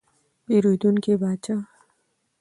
پیرودونکی پاچا دی.